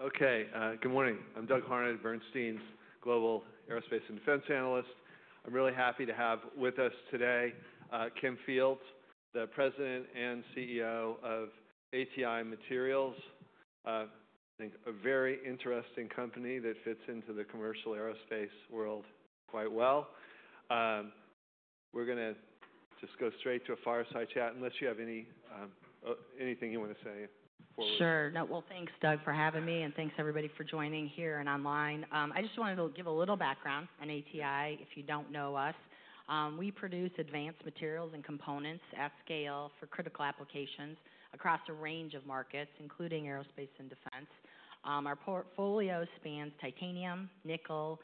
Okay, good morning. I'm Doug Harnett, Bernstein's Global Aerospace and Defense Analyst. I'm really happy to have with us today, Kim Fields, the President and CEO of ATI Materials, a very interesting company that fits into the commercial aerospace world quite well. We're gonna just go straight to a fireside chat unless you have any, anything you wanna say forward. Sure. No, thanks, Doug, for having me, and thanks everybody for joining here and online. I just wanted to give a little background on ATI. If you do not know us, we produce advanced materials and components at scale for critical applications across a range of markets, including aerospace and defense. Our portfolio spans titanium, nickel,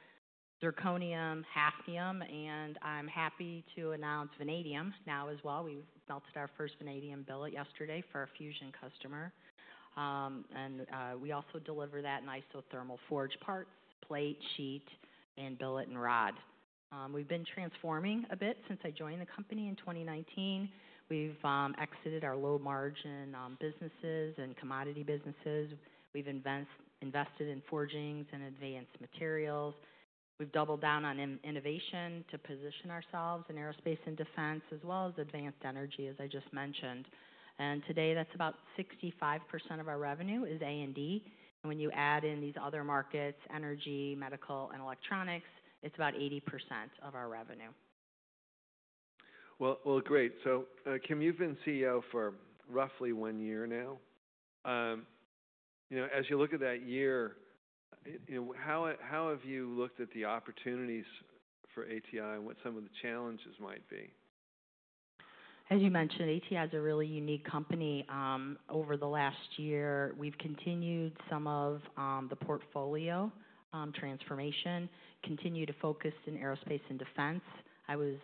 zirconium, hafnium, and I am happy to announce vanadium now as well. We melted our first vanadium billet yesterday for a fusion customer, and we also deliver that in isothermal forged parts, plate, sheet, and billet and rod. We have been transforming a bit since I joined the company in 2019. We have exited our low-margin businesses and commodity businesses. We have invested in forgings and advanced materials. We have doubled down on innovation to position ourselves in aerospace and defense, as well as advanced energy, as I just mentioned. Today, that's about 65% of our revenue is A and D. And when you add in these other markets, energy, medical, and electronics, it's about 80% of our revenue. Great. Kim, you've been CEO for roughly one year now. You know, as you look at that year, you know, how have you looked at the opportunities for ATI and what some of the challenges might be? As you mentioned, ATI's a really unique company. Over the last year, we've continued some of the portfolio transformation, continued to focus in aerospace and defense. I was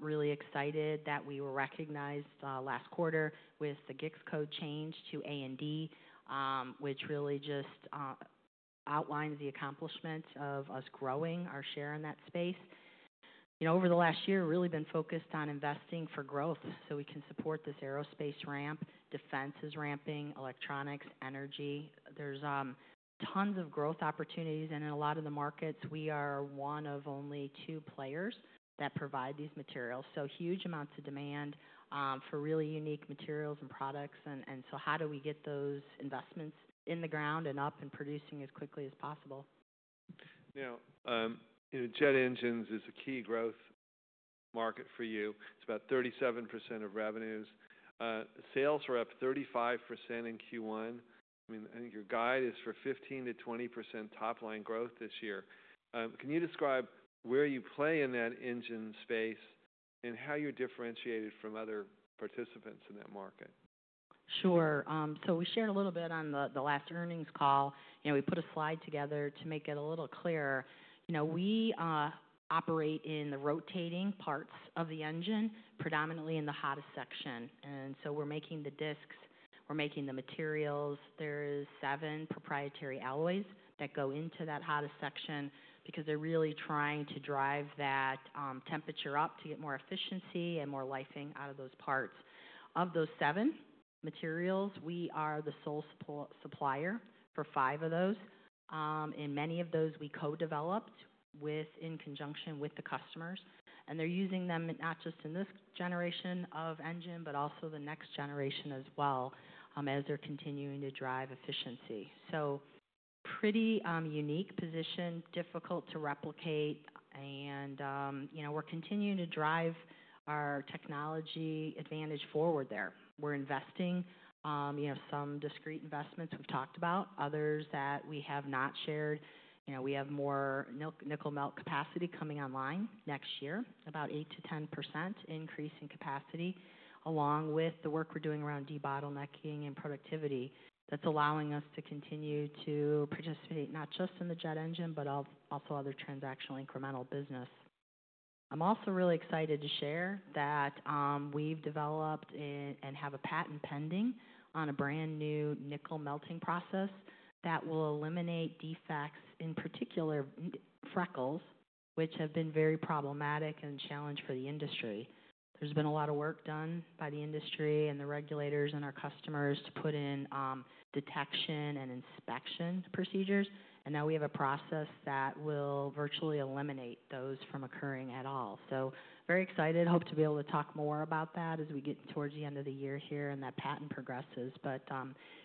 really excited that we were recognized last quarter with the Gix code change to A and D, which really just outlines the accomplishments of us growing our share in that space. You know, over the last year, we've really been focused on investing for growth so we can support this aerospace ramp. Defense is ramping, electronics, energy. There's tons of growth opportunities. In a lot of the markets, we are one of only two players that provide these materials. Huge amounts of demand for really unique materials and products. How do we get those investments in the ground and up and producing as quickly as possible? Now, you know, jet engines is a key growth market for you. It's about 37% of revenues. Sales were up 35% in Q1. I mean, I think your guide is for 15%-20% top-line growth this year. Can you describe where you play in that engine space and how you're differentiated from other participants in that market? Sure. We shared a little bit on the last earnings call, and we put a slide together to make it a little clearer. You know, we operate in the rotating parts of the engine, predominantly in the hottest section. We are making the disks, we are making the materials. There are seven proprietary alloys that go into that hottest section because they are really trying to drive that temperature up to get more efficiency and more lifing out of those parts. Of those seven materials, we are the sole supplier for five of those. Many of those we co-developed with, in conjunction with the customers. They are using them not just in this generation of engine, but also the next generation as well, as they are continuing to drive efficiency. Pretty unique position, difficult to replicate. You know, we are continuing to drive our technology advantage forward there. We're investing, you know, some discrete investments we've talked about, others that we have not shared. You know, we have more nickel melt capacity coming online next year, about 8-10% increase in capacity, along with the work we're doing around debottlenecking and productivity that's allowing us to continue to participate not just in the jet engine, but also other transactional incremental business. I'm also really excited to share that we've developed and have a patent pending on a brand new nickel melting process that will eliminate defects, in particular, freckles, which have been very problematic and a challenge for the industry. There's been a lot of work done by the industry and the regulators and our customers to put in detection and inspection procedures. Now we have a process that will virtually eliminate those from occurring at all. Very excited, hope to be able to talk more about that as we get towards the end of the year here and that patent progresses.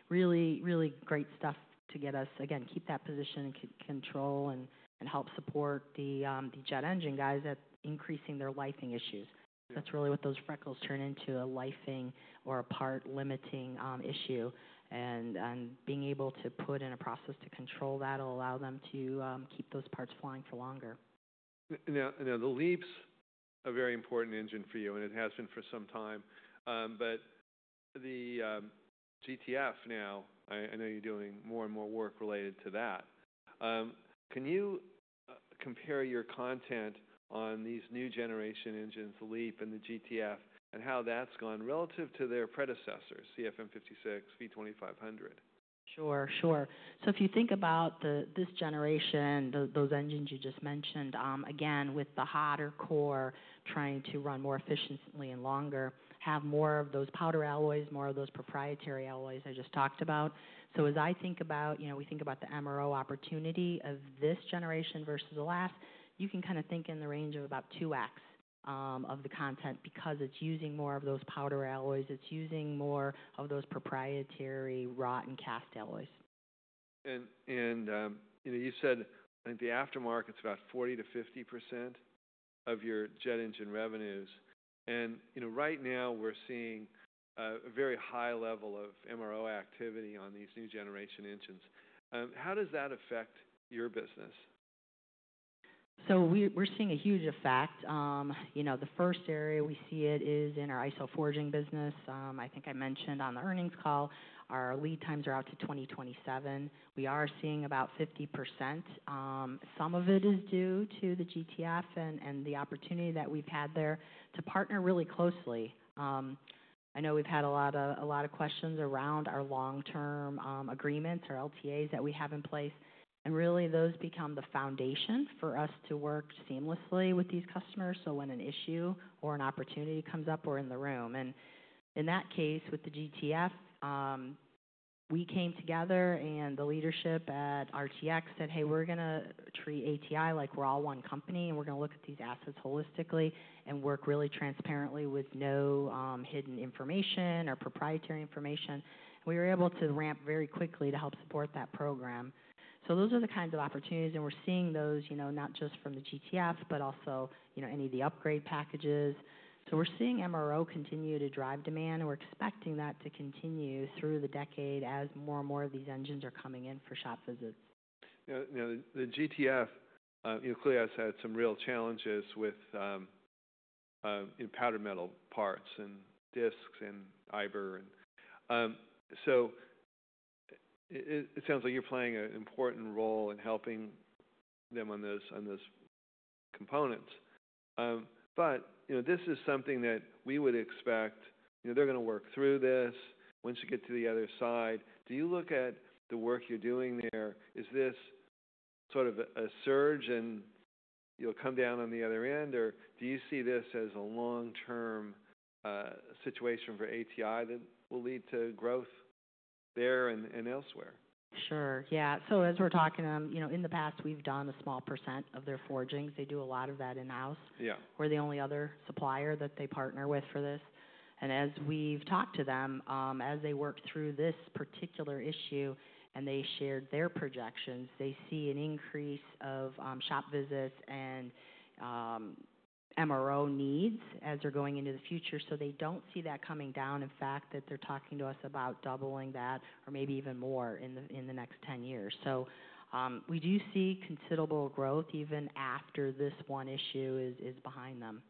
Really, really great stuff to get us, again, keep that position and control and help support the jet engine guys that increasing their lifing issues. That's really what those freckles turn into, a lifing or a part-limiting issue. Being able to put in a process to control that'll allow them to keep those parts flying for longer. Now, the Leaps are a very important engine for you, and it has been for some time. The GTF now, I know you're doing more and more work related to that. Can you compare your content on these new generation engines, the Leap and the GTF, and how that's gone relative to their predecessors, CFM56, V2500? Sure, sure. If you think about this generation, those engines you just mentioned, again, with the hotter core trying to run more efficiently and longer, have more of those powder alloys, more of those proprietary alloys I just talked about. As I think about, you know, we think about the MRO opportunity of this generation versus the last, you can kinda think in the range of about 2X of the content because it's using more of those powder alloys, it's using more of those proprietary rot and cast alloys. You know, you said, I think the aftermarket's about 40-50% of your jet engine revenues. And, you know, right now we're seeing a very high level of MRO activity on these new generation engines. How does that affect your business? We are seeing a huge effect. You know, the first area we see it is in our ISO forging business. I think I mentioned on the earnings call, our lead times are out to 2027. We are seeing about 50%. Some of it is due to the GTF and the opportunity that we've had there to partner really closely. I know we've had a lot of questions around our long-term agreements, our LTAs that we have in place. Really, those become the foundation for us to work seamlessly with these customers. When an issue or an opportunity comes up, we're in the room. In that case, with the GTF, we came together and the leadership at RTX said, "Hey, we're gonna treat ATI like we're all one company and we're gonna look at these assets holistically and work really transparently with no hidden information or proprietary information." We were able to ramp very quickly to help support that program. Those are the kinds of opportunities. We're seeing those, you know, not just from the GTF, but also, you know, any of the upgrade packages. We're seeing MRO continue to drive demand. We're expecting that to continue through the decade as more and more of these engines are coming in for shop visits. Now, the GTF, you know, Clear has had some real challenges with, you know, powder metal parts and disks and fiber. It sounds like you're playing an important role in helping them on those components. You know, this is something that we would expect, you know, they're gonna work through this once you get to the other side. Do you look at the work you're doing there, is this sort of a surge and you'll come down on the other end, or do you see this as a long-term situation for ATI that will lead to growth there and elsewhere? Sure. Yeah. As we're talking to them, you know, in the past, we've done a small % of their forgings. They do a lot of that in-house. Yeah. We're the only other supplier that they partner with for this. As we've talked to them, as they work through this particular issue and they shared their projections, they see an increase of shop visits and MRO needs as they're going into the future. They don't see that coming down, in fact, they're talking to us about doubling that or maybe even more in the next 10 years. We do see considerable growth even after this one issue is behind them.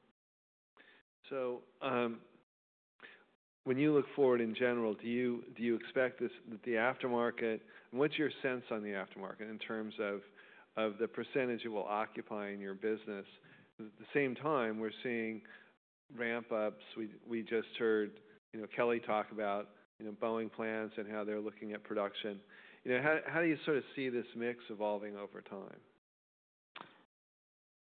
When you look forward in general, do you expect this, that the aftermarket, what's your sense on the aftermarket in terms of the percentage it will occupy in your business? At the same time, we're seeing ramp-ups. We just heard, you know, Kelly talk about, you know, Boeing plants and how they're looking at production. You know, how do you sort of see this mix evolving over time?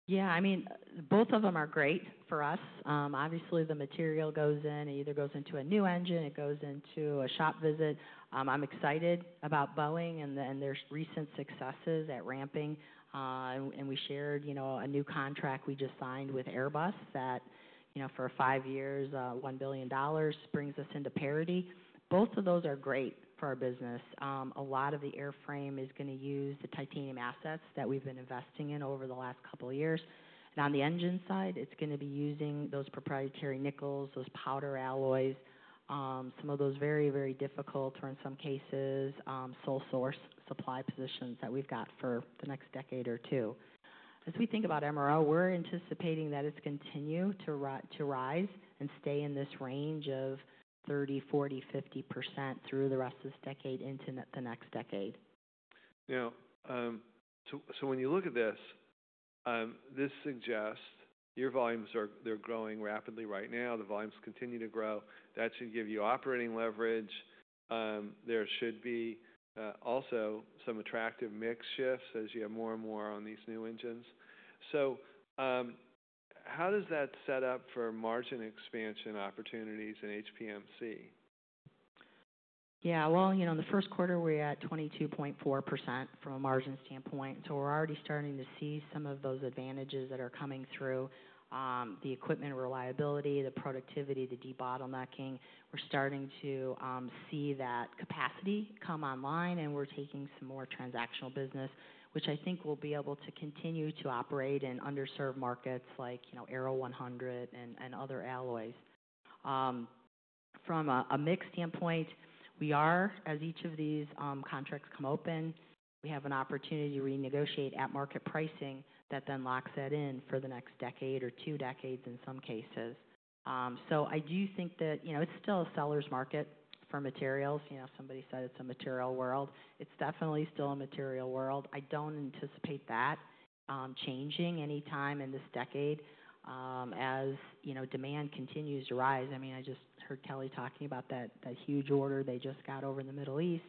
Yeah. I mean, both of them are great for us. Obviously, the material goes in, it either goes into a new engine, it goes into a shop visit. I'm excited about Boeing and their recent successes at ramping. We shared, you know, a new contract we just signed with Airbus that, you know, for five years, $1 billion brings us into parity. Both of those are great for our business. A lot of the airframe is gonna use the titanium assets that we've been investing in over the last couple of years. On the engine side, it's gonna be using those proprietary nickels, those powder alloys, some of those very, very difficult, or in some cases, sole-source supply positions that we've got for the next decade or two. As we think about MRO, we're anticipating that it's going to continue to rise and stay in this range of 30-40-50% through the rest of this decade into the next decade. Now, when you look at this, this suggests your volumes are, they're growing rapidly right now. The volumes continue to grow. That should give you operating leverage. There should be, also some attractive mix shifts as you have more and more on these new engines. How does that set up for margin expansion opportunities in HPMC? Yeah. You know, in the first quarter, we're at 22.4% from a margin standpoint. We're already starting to see some of those advantages that are coming through, the equipment reliability, the productivity, the debottlenecking. We're starting to see that capacity come online, and we're taking some more transactional business, which I think we'll be able to continue to operate in underserved markets like, you know, Arrow 100 and other alloys. From a mix standpoint, we are, as each of these contracts come open, we have an opportunity to renegotiate at market pricing that then locks that in for the next decade or two decades in some cases. I do think that, you know, it's still a seller's market for materials. You know, somebody said it's a material world. It's definitely still a material world. I don't anticipate that changing any time in this decade, as, you know, demand continues to rise. I mean, I just heard Kelly talking about that huge order they just got over in the Middle East.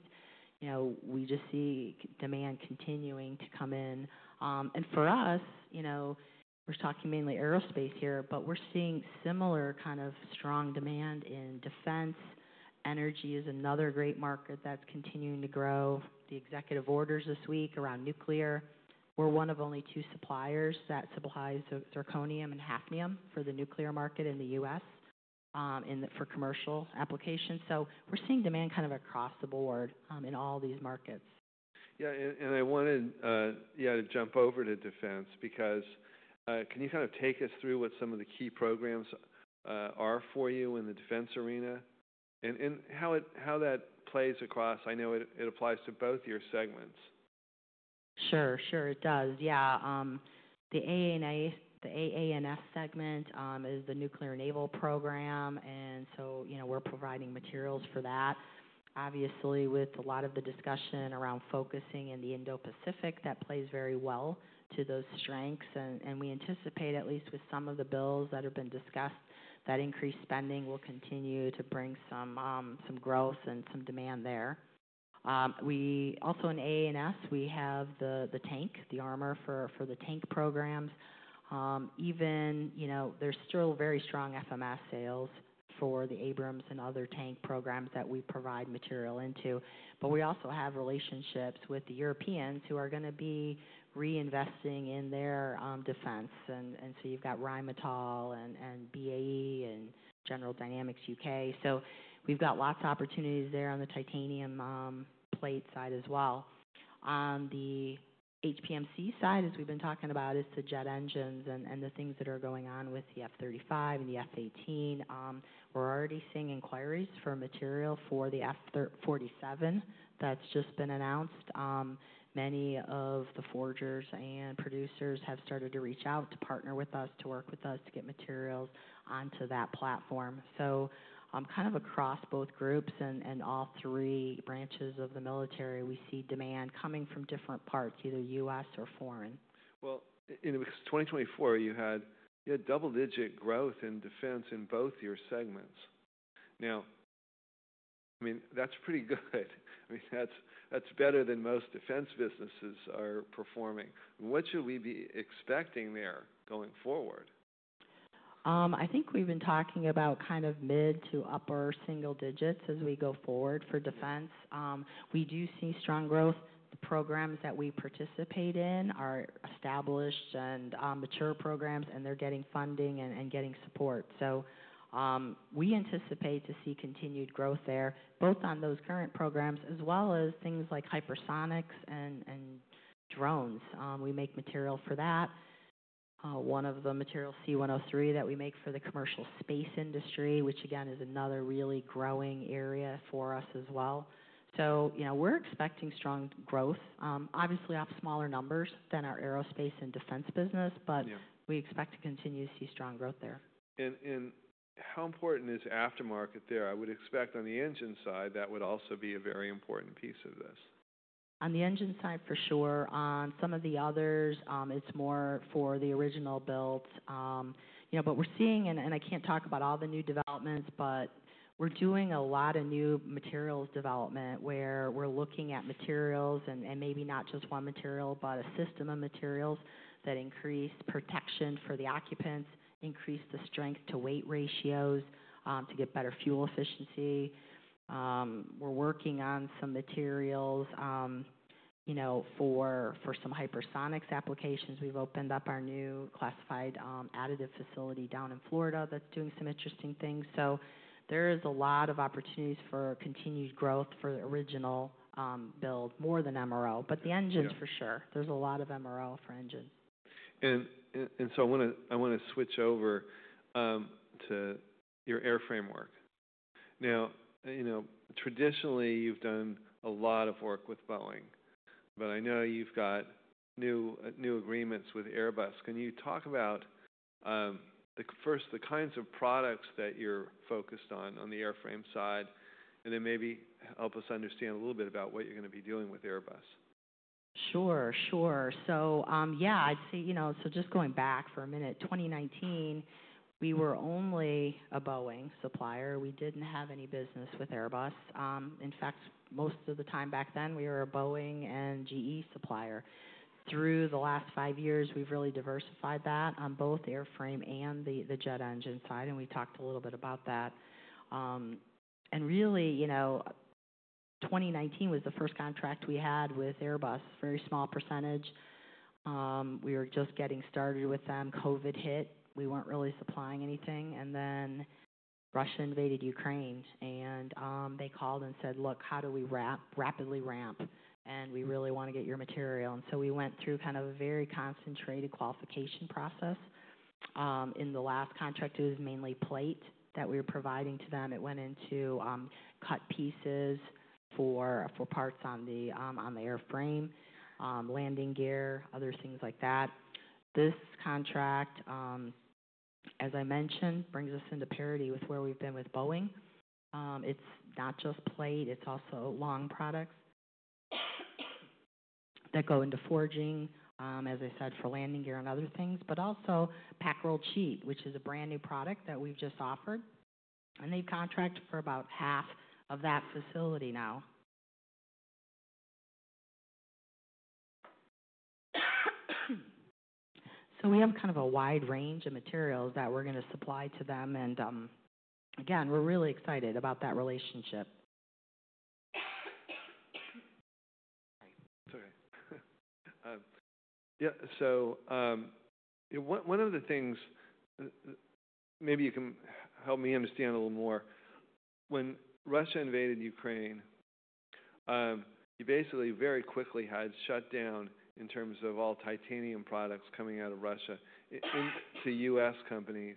You know, we just see demand continuing to come in. For us, you know, we're talking mainly aerospace here, but we're seeing similar kind of strong demand in defense. Energy is another great market that's continuing to grow. The executive orders this week around nuclear, we're one of only two suppliers that supplies zirconium and hafnium for the nuclear market in the US, for commercial applications. We're seeing demand kind of across the board, in all these markets. Yeah. I wanted, yeah, to jump over to defense because, can you kind of take us through what some of the key programs are for you in the defense arena and how it, how that plays across? I know it applies to both your segments. Sure, sure it does. Yeah. The AANS, the AANS segment, is the nuclear naval program. And so, you know, we're providing materials for that. Obviously, with a lot of the discussion around focusing in the Indo-Pacific, that plays very well to those strengths. We anticipate, at least with some of the bills that have been discussed, that increased spending will continue to bring some growth and some demand there. We also in AANS, we have the tank, the armor for the tank programs. Even, you know, there's still very strong FMS sales for the Abrams and other tank programs that we provide material into. We also have relationships with the Europeans who are gonna be reinvesting in their defense. You've got Rheinmetall and BAE and General Dynamics UK. We've got lots of opportunities there on the titanium plate side as well. On the HPMC side, as we've been talking about, is the jet engines and the things that are going on with the F-35 and the F-18. We're already seeing inquiries for material for the F-347 that's just been announced. Many of the forgers and producers have started to reach out to partner with us, to work with us, to get materials onto that platform. Kind of across both groups and all three branches of the military, we see demand coming from different parts, either US or foreign. In 2024, you had double-digit growth in defense in both your segments. I mean, that's pretty good. I mean, that's better than most defense businesses are performing. What should we be expecting there going forward? I think we've been talking about kind of mid to upper single digits as we go forward for defense. We do see strong growth. The programs that we participate in are established and mature programs, and they're getting funding and getting support. We anticipate to see continued growth there, both on those current programs as well as things like hypersonics and drones. We make material for that. One of the materials, C-103, that we make for the commercial space industry, which again is another really growing area for us as well. You know, we're expecting strong growth, obviously off smaller numbers than our aerospace and defense business, but we expect to continue to see strong growth there. How important is aftermarket there? I would expect on the engine side that would also be a very important piece of this. On the engine side, for sure. On some of the others, it's more for the original builds. You know, but we're seeing, and I can't talk about all the new developments, but we're doing a lot of new materials development where we're looking at materials and maybe not just one material, but a system of materials that increase protection for the occupants, increase the strength-to-weight ratios, to get better fuel efficiency. We're working on some materials, you know, for some hypersonics applications. We've opened up our new classified additive facility down in Florida that's doing some interesting things. There is a lot of opportunities for continued growth for the original build more than MRO, but the engines for sure. There's a lot of MRO for engines. I wanna switch over to your airframe work. Now, you know, traditionally you've done a lot of work with Boeing, but I know you've got new, new agreements with Airbus. Can you talk about, first, the kinds of products that you're focused on, on the airframe side, and then maybe help us understand a little bit about what you're gonna be doing with Airbus? Sure, sure. Yeah, I'd say, you know, just going back for a minute, 2019, we were only a Boeing supplier. We didn't have any business with Airbus. In fact, most of the time back then, we were a Boeing and GE supplier. Through the last five years, we've really diversified that on both airframe and the jet engine side. We talked a little bit about that. Really, you know, 2019 was the first contract we had with Airbus, very small percentage. We were just getting started with them. COVID hit. We weren't really supplying anything. Then Russia invaded Ukraine, and they called and said, "Look, how do we rapidly ramp? And we really wanna get your material." We went through kind of a very concentrated qualification process. In the last contract, it was mainly plate that we were providing to them. It went into cut pieces for parts on the airframe, landing gear, other things like that. This contract, as I mentioned, brings us into parity with where we've been with Boeing. It's not just plate, it's also long products that go into forging, as I said, for landing gear and other things, but also Pack Rolled Sheet, which is a brand new product that we've just offered. They've contracted for about half of that facility now. We have kind of a wide range of materials that we're gonna supply to them. Again, we're really excited about that relationship. Sorry. It's okay. Yeah. You know, one of the things, maybe you can help me understand a little more. When Russia invaded Ukraine, you basically very quickly had shut down in terms of all titanium products coming out of Russia into US companies.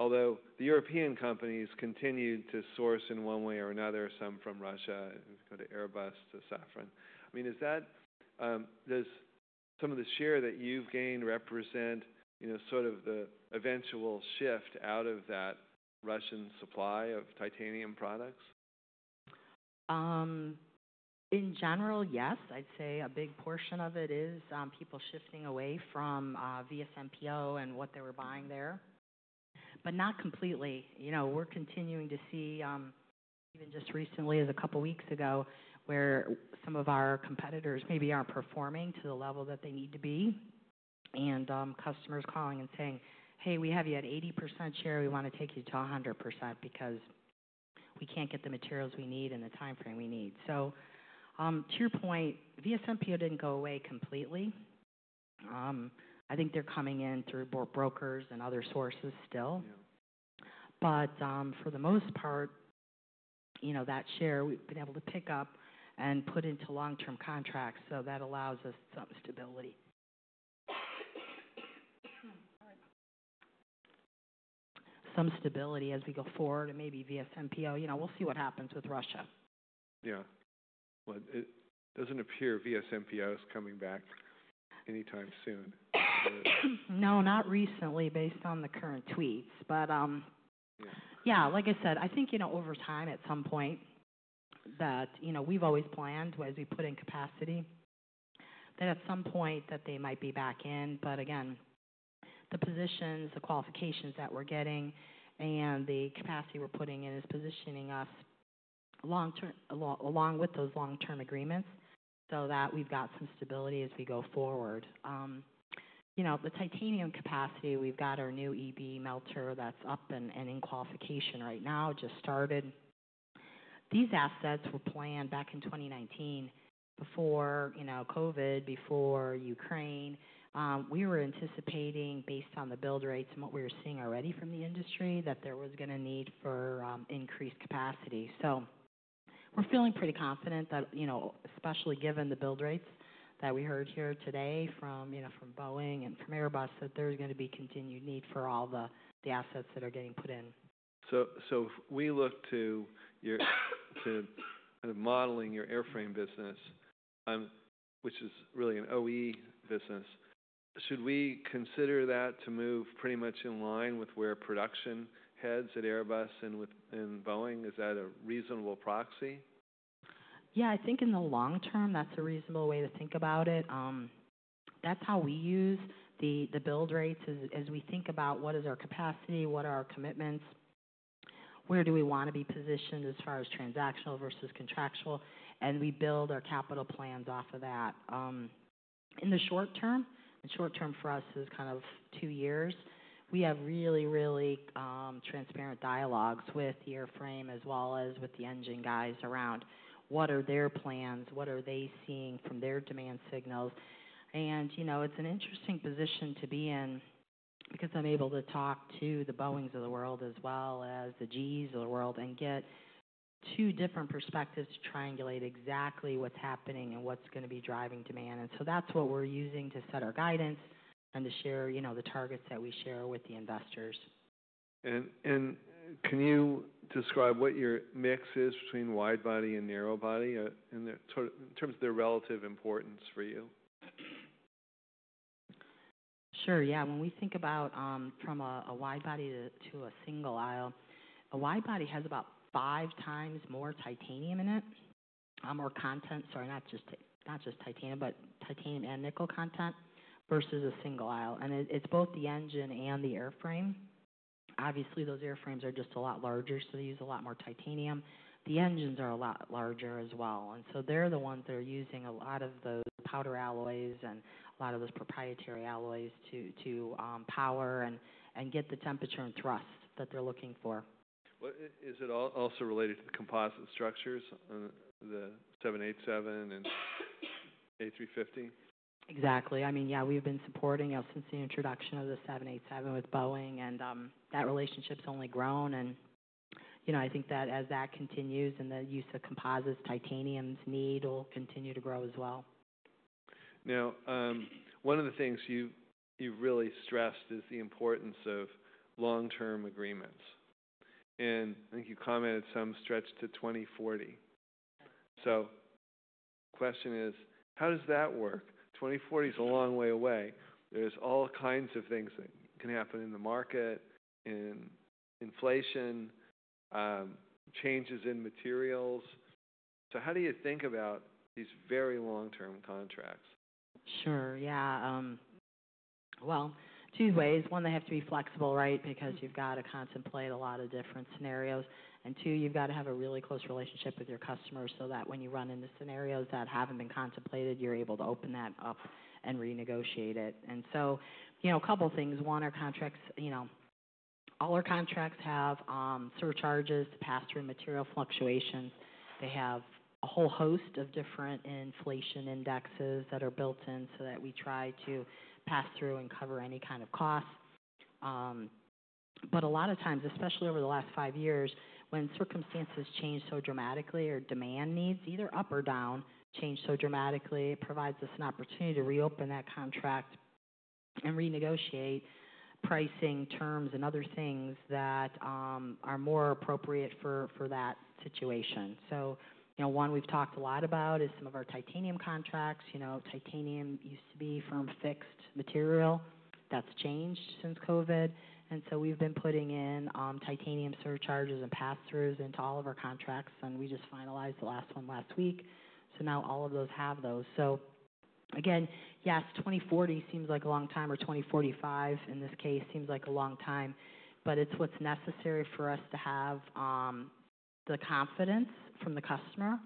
Although the European companies continued to source in one way or another, some from Russia, go to Airbus, to Safran. I mean, is that, does some of the share that you've gained represent, you know, sort of the eventual shift out of that Russian supply of titanium products? In general, yes, I'd say a big portion of it is people shifting away from VSMPO and what they were buying there, but not completely. You know, we're continuing to see, even just recently, as a couple of weeks ago, where some of our competitors maybe aren't performing to the level that they need to be. Customers are calling and saying, "Hey, we have you at 80% share. We wanna take you to 100% because we can't get the materials we need in the timeframe we need." To your point, VSMPO didn't go away completely. I think they're coming in through brokers and other sources still. Yeah. For the most part, you know, that share we've been able to pick up and put into long-term contracts. So that allows us some stability. All right. Some stability as we go forward and maybe VSMPO, you know, we'll see what happens with Russia. Yeah. It doesn't appear VSMPO's coming back anytime soon. No, not recently based on the current tweets. Yeah. Yeah. Like I said, I think, you know, over time at some point that, you know, we've always planned as we put in capacity that at some point that they might be back in. Again, the positions, the qualifications that we're getting and the capacity we're putting in is positioning us long-term, along with those long-term agreements so that we've got some stability as we go forward. You know, the titanium capacity, we've got our new EB melter that's up and in qualification right now, just started. These assets were planned back in 2019 before, you know, COVID, before Ukraine. We were anticipating based on the build rates and what we were seeing already from the industry that there was gonna need for increased capacity. We're feeling pretty confident that, you know, especially given the build rates that we heard here today from, you know, from Boeing and from Airbus, that there's gonna be continued need for all the assets that are getting put in. If we look to your, to kind of modeling your airframe business, which is really an OE business, should we consider that to move pretty much in line with where production heads at Airbus and with, and Boeing? Is that a reasonable proxy? Yeah. I think in the long term, that's a reasonable way to think about it. That's how we use the build rates as we think about what is our capacity, what are our commitments, where do we wanna be positioned as far as transactional versus contractual. We build our capital plans off of that. In the short term, and short term for us is kind of two years, we have really, really transparent dialogues with the airframe as well as with the engine guys around what are their plans, what are they seeing from their demand signals. You know, it's an interesting position to be in because I'm able to talk to the Boeings of the world as well as the GEs of the world and get two different perspectives to triangulate exactly what's happening and what's gonna be driving demand. That's what we're using to set our guidance and to share, you know, the targets that we share with the investors. Can you describe what your mix is between wide body and narrow body in the terms of their relative importance for you? Sure. Yeah. When we think about, from a wide body to a single aisle, a wide body has about five times more titanium in it, or content. Sorry, not just titanium, but titanium and nickel content versus a single aisle. It is both the engine and the airframe. Obviously, those airframes are just a lot larger, so they use a lot more titanium. The engines are a lot larger as well. They are the ones that are using a lot of those powder alloys and a lot of those proprietary alloys to power and get the temperature and thrust that they are looking for. Is it also related to the composite structures and the 787 and A350? Exactly. I mean, yeah, we've been supporting, you know, since the introduction of the 787 with Boeing. That relationship's only grown. You know, I think that as that continues and the use of composites, titanium's need will continue to grow as well. Now, one of the things you've really stressed is the importance of long-term agreements. I think you commented some stretch to 2040. The question is, how does that work? 2040 is a long way away. There are all kinds of things that can happen in the market, in inflation, changes in materials. How do you think about these very long-term contracts? Sure. Yeah. Two ways. One, they have to be flexible, right? Because you've gotta contemplate a lot of different scenarios. Two, you've gotta have a really close relationship with your customers so that when you run into scenarios that haven't been contemplated, you're able to open that up and renegotiate it. You know, a couple of things. One, our contracts, you know, all our contracts have surcharges to pass through material fluctuations. They have a whole host of different inflation indexes that are built in so that we try to pass through and cover any kind of cost. A lot of times, especially over the last five years, when circumstances change so dramatically or demand needs either up or down change so dramatically, it provides us an opportunity to reopen that contract and renegotiate pricing terms and other things that are more appropriate for that situation. You know, one we've talked a lot about is some of our titanium contracts. You know, titanium used to be from fixed material. That's changed since COVID. We've been putting in titanium surcharges and pass-throughs into all of our contracts. We just finalized the last one last week. Now all of those have those. Again, yes, 2040 seems like a long time or 2045 in this case seems like a long time, but it's what's necessary for us to have the confidence from the customer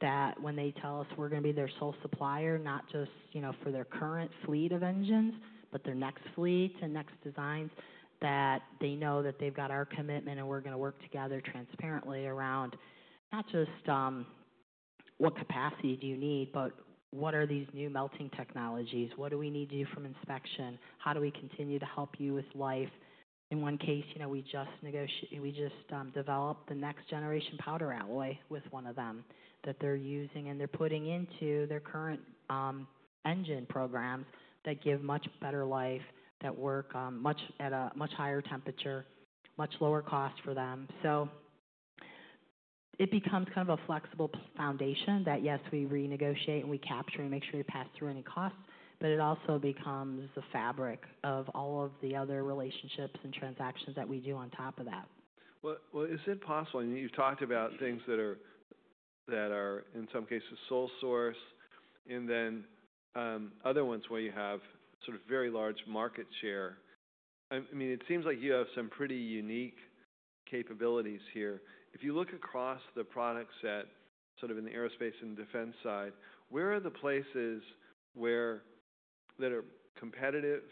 that when they tell us we're gonna be their sole supplier, not just, you know, for their current fleet of engines, but their next fleet and next designs, that they know that they've got our commitment and we're gonna work together transparently around not just what capacity do you need, but what are these new melting technologies? What do we need to do from inspection? How do we continue to help you with life? In one case, you know, we just negotiate, we just developed the next generation powder alloy with one of them that they're using and they're putting into their current engine programs that give much better life that work, much at a much higher temperature, much lower cost for them. It becomes kind of a flexible foundation that yes, we renegotiate and we capture and make sure we pass through any costs, but it also becomes the fabric of all of the other relationships and transactions that we do on top of that. Is it possible? I mean, you've talked about things that are, that are in some cases sole source and then, other ones where you have sort of very large market share. I mean, it seems like you have some pretty unique capabilities here. If you look across the product set sort of in the aerospace and defense side, where are the places where that are competitive?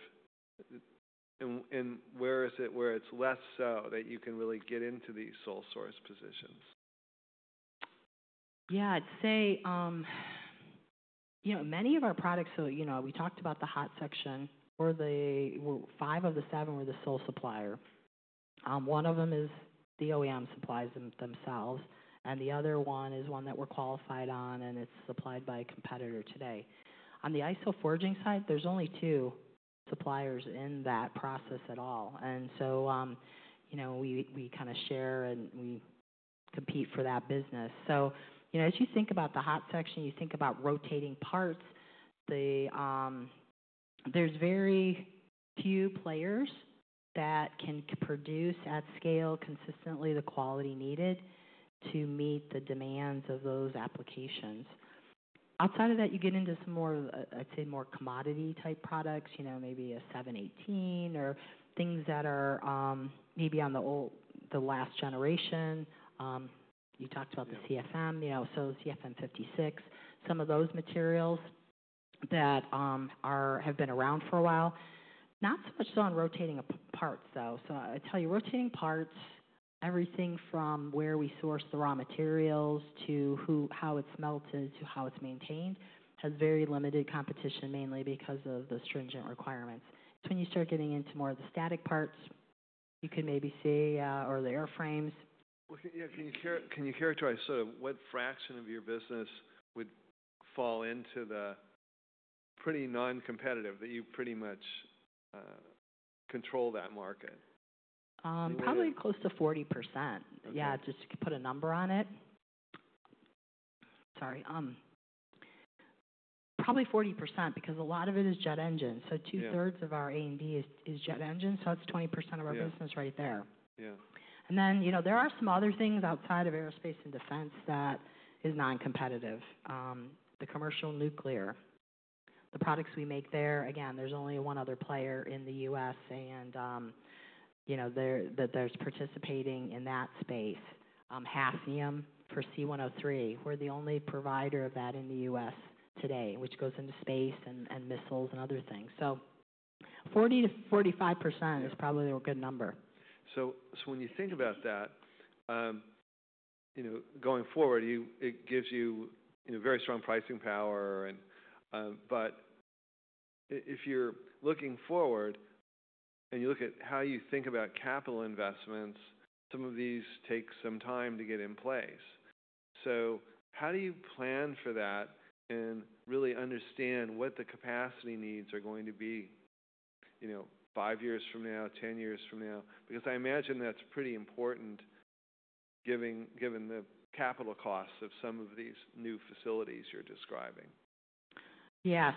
And, and where is it where it's less so that you can really get into these sole source positions? Yeah. I'd say, you know, many of our products, so, you know, we talked about the hot section or the five of the seven where we're the sole supplier. One of them is the OEM supplies themselves. And the other one is one that we're qualified on and it's supplied by a competitor today. On the ISO forging side, there's only two suppliers in that process at all. You know, we kind of share and we compete for that business. You know, as you think about the hot section, you think about rotating parts, there's very few players that can produce at scale consistently the quality needed to meet the demands of those applications. Outside of that, you get into some more, I'd say, more commodity type products, you know, maybe a 718 or things that are maybe on the old, the last generation. You talked about the CFM, you know, so CFM56, some of those materials that have been around for a while. Not so much on rotating parts though. I tell you, rotating parts, everything from where we source the raw materials to who, how it's melted to how it's maintained has very limited competition mainly because of the stringent requirements. It's when you start getting into more of the static parts, you could maybe see, or the airframes. Yeah, can you characterize sort of what fraction of your business would fall into the pretty non-competitive that you pretty much control that market? Probably close to 40%. Yeah. Just to put a number on it. Sorry. Probably 40% because a lot of it is jet engines. Two-thirds of our A&D is jet engines. That's 20% of our business right there. Yeah. You know, there are some other things outside of aerospace and defense that is non-competitive. The commercial nuclear, the products we make there, again, there's only one other player in the US and, you know, there that there's participating in that space, Hafnium for C-103. We're the only provider of that in the US today, which goes into space and, and missiles and other things. 40-45% is probably a good number. When you think about that, you know, going forward, you, it gives you, you know, very strong pricing power and, but if you're looking forward and you look at how you think about capital investments, some of these take some time to get in place. How do you plan for that and really understand what the capacity needs are going to be, you know, five years from now, 10 years from now? Because I imagine that's pretty important given, given the capital costs of some of these new facilities you're describing. Yeah.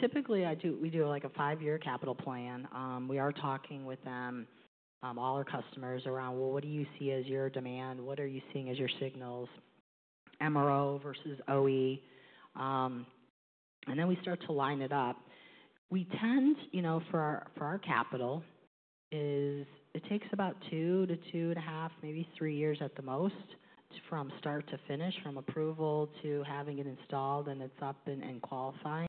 Typically I do, we do like a five-year capital plan. We are talking with them, all our customers around, well, what do you see as your demand? What are you seeing as your signals? MRO versus OE. Then we start to line it up. We tend, you know, for our capital, it takes about two to two and a half, maybe three years at the most from start to finish, from approval to having it installed and it's up and qualifying.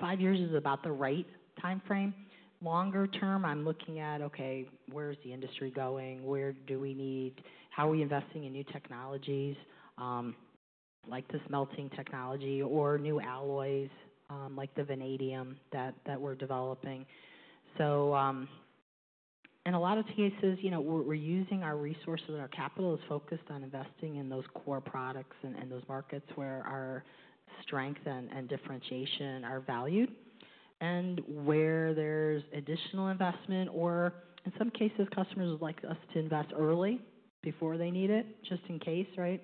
Five years is about the right timeframe. Longer term, I'm looking at, okay, where's the industry going? Where do we need, how are we investing in new technologies, like this melting technology or new alloys, like the vanadium that we're developing. In a lot of cases, you know, we're using our resources and our capital is focused on investing in those core products and those markets where our strength and differentiation are valued. Where there's additional investment or in some cases, customers would like us to invest early before they need it, just in case, right?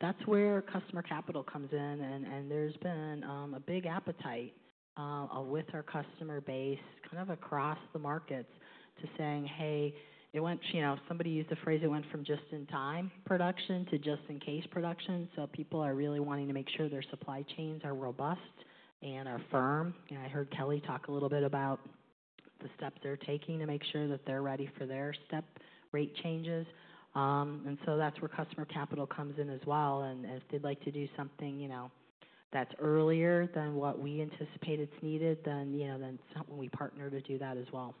That's where customer capital comes in. There's been a big appetite with our customer base kind of across the markets, saying, hey, it went, you know, somebody used the phrase, it went from just in time production to just in case production. People are really wanting to make sure their supply chains are robust and are firm. I heard Kelly talk a little bit about the steps they're taking to make sure that they're ready for their step rate changes. That's where customer capital comes in as well. If they'd like to do something, you know, that's earlier than what we anticipate is needed, then, you know, then something we partner to do that as well.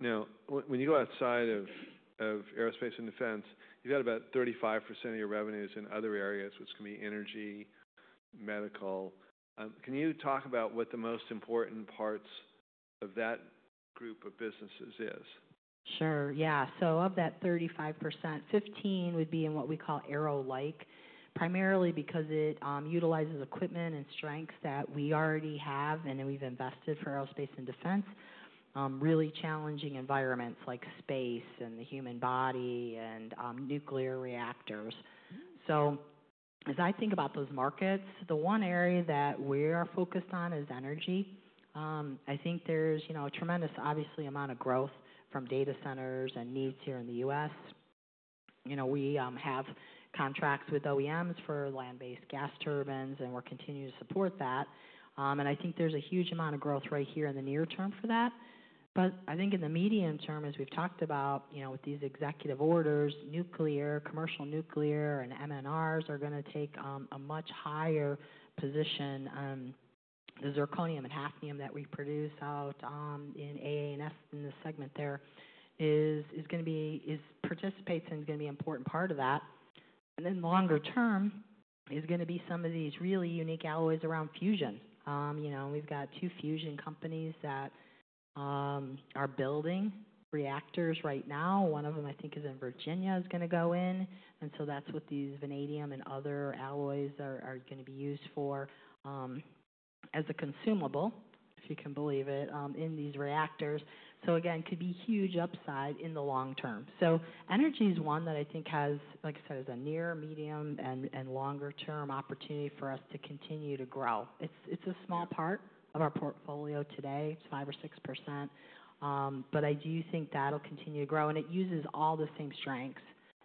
Now, when you go outside of, of aerospace and defense, you've got about 35% of your revenues in other areas, which can be energy, medical. Can you talk about what the most important parts of that group of businesses is? Sure. Yeah. So of that 35%, 15 would be in what we call aero-like, primarily because it utilizes equipment and strengths that we already have and then we've invested for aerospace and defense, really challenging environments like space and the human body and nuclear reactors. As I think about those markets, the one area that we are focused on is energy. I think there's, you know, a tremendous, obviously amount of growth from data centers and needs here in the US. You know, we have contracts with OEMs for land-based gas turbines and we're continuing to support that. I think there's a huge amount of growth right here in the near term for that. I think in the medium term, as we've talked about, you know, with these executive orders, nuclear, commercial nuclear and SMRs are gonna take a much higher position. The zirconium and hafnium that we produce out in AANS in the segment there is, is gonna be, is participates and is gonna be an important part of that. Then longer term is gonna be some of these really unique alloys around fusion. You know, we've got two fusion companies that are building reactors right now. One of 'em I think is in Virginia is gonna go in. That's what these vanadium and other alloys are, are gonna be used for, as a consumable, if you can believe it, in these reactors. Again, could be huge upside in the long term. Energy's one that I think has, like I said, is a near, medium, and longer term opportunity for us to continue to grow. It's a small part of our portfolio today. It's 5% or 6%. I do think that'll continue to grow. It uses all the same strengths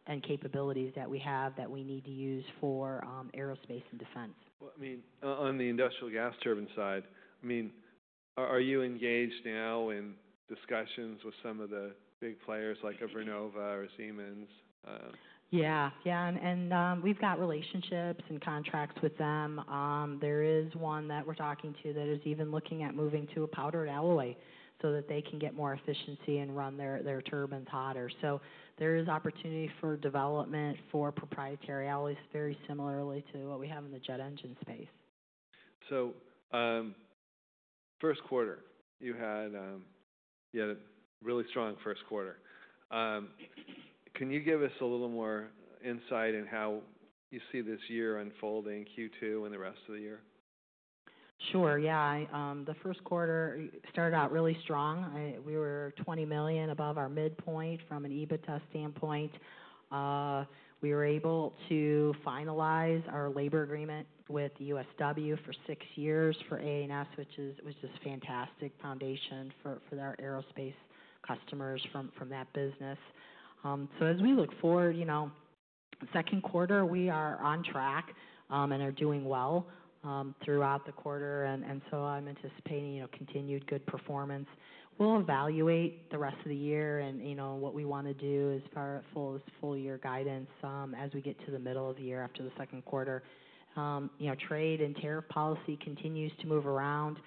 and capabilities that we have that we need to use for aerospace and defense. I mean, on the industrial gas turbine side, I mean, are you engaged now in discussions with some of the big players like a Vernova or Siemens? Yeah. Yeah. And we've got relationships and contracts with them. There is one that we're talking to that is even looking at moving to a powdered alloy so that they can get more efficiency and run their turbines hotter. There is opportunity for development for proprietary alloys very similarly to what we have in the jet engine space. First quarter, you had a really strong first quarter. Can you give us a little more insight in how you see this year unfolding, Q2 and the rest of the year? Sure. Yeah. The first quarter started out really strong. We were $20 million above our midpoint from an EBITDA standpoint. We were able to finalize our labor agreement with USW for six years for ANS, which is just a fantastic foundation for our aerospace customers from that business. As we look forward, second quarter, we are on track and are doing well throughout the quarter. I'm anticipating continued good performance. We'll evaluate the rest of the year and what we want to do as far as full year guidance as we get to the middle of the year after the second quarter. Trade and tariff policy continues to move around.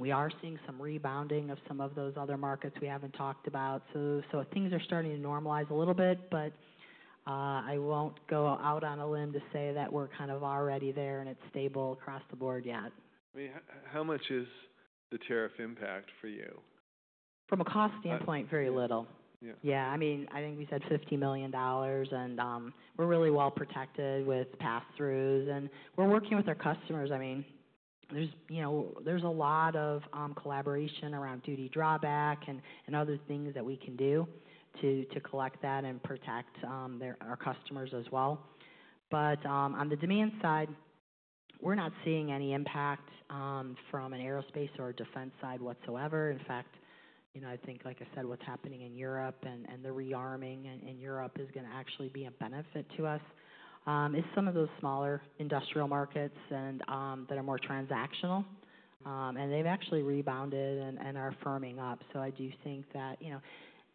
We are seeing some rebounding of some of those other markets we haven't talked about. Things are starting to normalize a little bit, but I won't go out on a limb to say that we're kind of already there and it's stable across the board yet. I mean, how much is the tariff impact for you? From a cost standpoint, very little. Yeah. Yeah. I mean, I think we said $50 million and we're really well protected with pass-throughs and we're working with our customers. I mean, there's, you know, there's a lot of collaboration around duty drawback and other things that we can do to collect that and protect their, our customers as well. On the demand side, we're not seeing any impact from an aerospace or defense side whatsoever. In fact, you know, I think, like I said, what's happening in Europe and the rearming in Europe is gonna actually be a benefit to us. It is some of those smaller industrial markets that are more transactional, and they've actually rebounded and are firming up. I do think that, you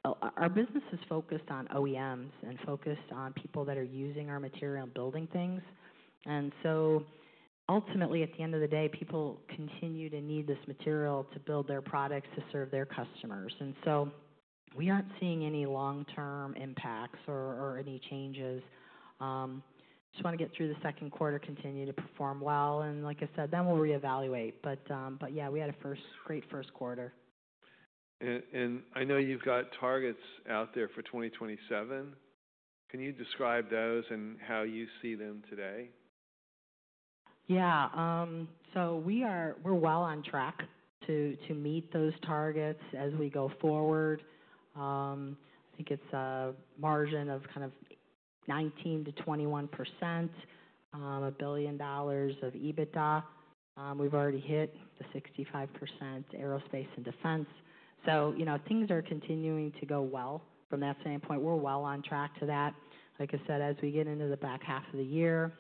know, our business is focused on OEMs and focused on people that are using our material and building things. Ultimately, at the end of the day, people continue to need this material to build their products to serve their customers. We aren't seeing any long-term impacts or any changes. Just wanna get through the second quarter, continue to perform well. Like I said, then we'll reevaluate. But yeah, we had a great first quarter. I know you've got targets out there for 2027. Can you describe those and how you see them today? Yeah. We are well on track to meet those targets as we go forward. I think it's a margin of kind of 19%-21%, a billion dollars of EBITDA. We've already hit the 65% aerospace and defense. You know, things are continuing to go well from that standpoint. We're well on track to that. Like I said, as we get into the back half of the year,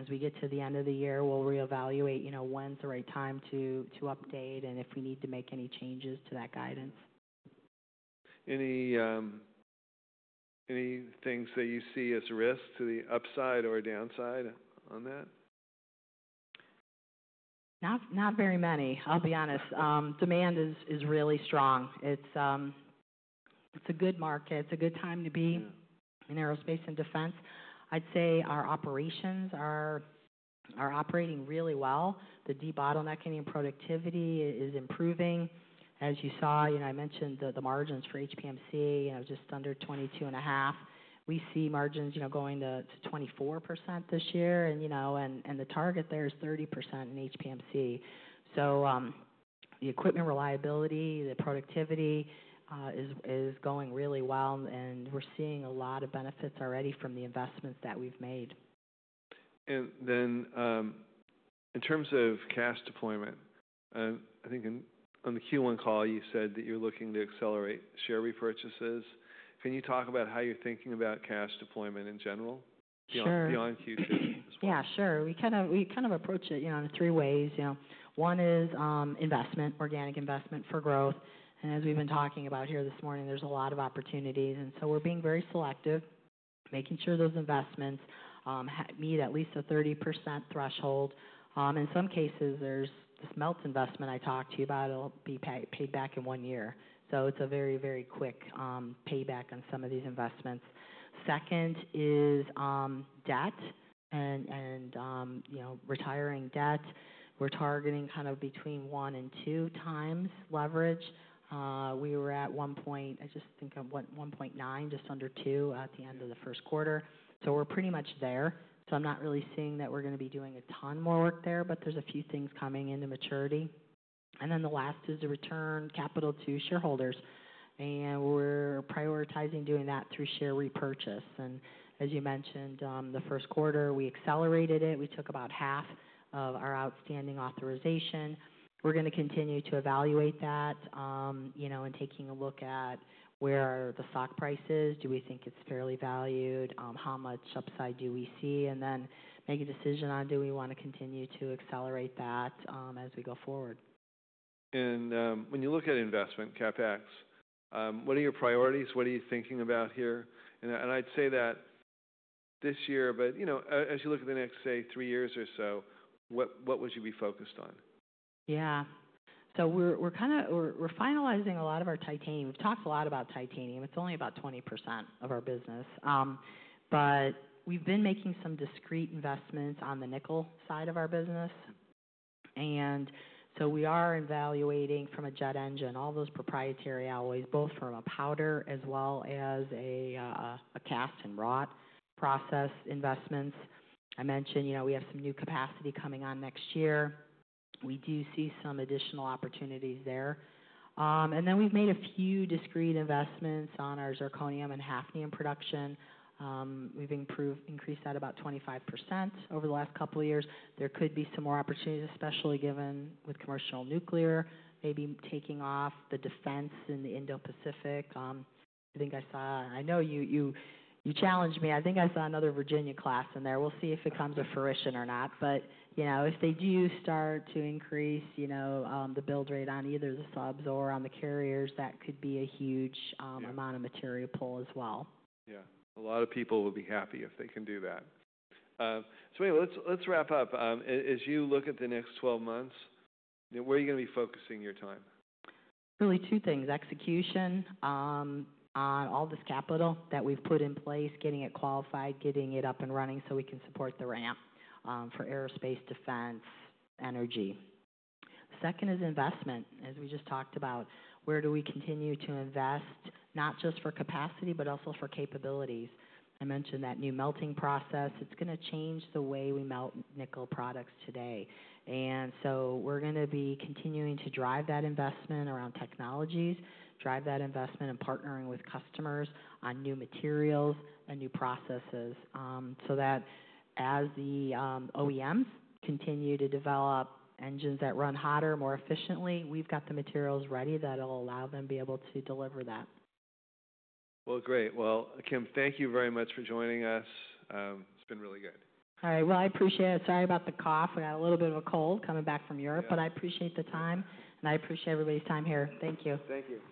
as we get to the end of the year, we'll reevaluate, you know, when's the right time to update and if we need to make any changes to that guidance. Any things that you see as a risk to the upside or downside on that? Not very many, I'll be honest. Demand is really strong. It's a good market. It's a good time to be in aerospace and defense. I'd say our operations are operating really well. The debottlenecking and productivity is improving. As you saw, you know, I mentioned the margins for HPMC, you know, just under 22.5%. We see margins, you know, going to 24% this year, and the target there is 30% in HPMC. The equipment reliability, the productivity, is going really well and we're seeing a lot of benefits already from the investments that we've made. In terms of cash deployment, I think in, on the Q1 call, you said that you're looking to accelerate share repurchases. Can you talk about how you're thinking about cash deployment in general? Sure. Beyond, beyond Q2 as well. Yeah, sure. We kind of approach it, you know, in three ways. You know, one is investment, organic investment for growth. And as we've been talking about here this morning, there's a lot of opportunities. We're being very selective, making sure those investments meet at least a 30% threshold. In some cases, there's this melt investment I talked to you about, it'll be paid back in one year. It's a very, very quick payback on some of these investments. Second is debt and, you know, retiring debt. We're targeting kind of between one and two times leverage. We were at one point, I just think of one, 1.9, just under two at the end of the first quarter. We're pretty much there. I'm not really seeing that we're gonna be doing a ton more work there, but there's a few things coming into maturity. The last is the return capital to shareholders. We're prioritizing doing that through share repurchase. As you mentioned, the first quarter, we accelerated it. We took about half of our outstanding authorization. We're gonna continue to evaluate that, you know, and taking a look at where are the stock prices. Do we think it's fairly valued? How much upside do we see? Then make a decision on do we wanna continue to accelerate that, as we go forward. When you look at investment CapEx, what are your priorities? What are you thinking about here? I'd say that this year, but, you know, as you look at the next, say, three years or so, what would you be focused on? Yeah. We're kind of finalizing a lot of our titanium. We've talked a lot about titanium. It's only about 20% of our business, but we've been making some discreet investments on the nickel side of our business. We are evaluating from a jet engine, all those proprietary alloys, both from a powder as well as a cast and wrought process investments. I mentioned, you know, we have some new capacity coming on next year. We do see some additional opportunities there. We've made a few discreet investments on our zirconium and hafnium production. We've improved, increased that about 25% over the last couple of years. There could be some more opportunities, especially given with commercial nuclear, maybe taking off the defense in the Indo-Pacific. I think I saw, I know you challenged me. I think I saw another Virginia class in there. We'll see if it comes to fruition or not. You know, if they do start to increase, you know, the build rate on either the subs or on the carriers, that could be a huge amount of material pull as well. Yeah. A lot of people would be happy if they can do that. Let's wrap up. As you look at the next 12 months, you know, where are you gonna be focusing your time? Really two things. Execution, on all this capital that we've put in place, getting it qualified, getting it up and running so we can support the ramp, for aerospace, defense, energy. Second is investment, as we just talked about. Where do we continue to invest, not just for capacity, but also for capabilities? I mentioned that new melting process. It's gonna change the way we melt nickel products today. And so we're gonna be continuing to drive that investment around technologies, drive that investment in partnering with customers on new materials and new processes, so that as the OEMs continue to develop engines that run hotter, more efficiently, we've got the materials ready that'll allow them to be able to deliver that. Great. Kim, thank you very much for joining us. It's been really good. All right. I appreciate it. Sorry about the cough. I got a little bit of a cold coming back from Europe, but I appreciate the time and I appreciate everybody's time here. Thank you. Thank you.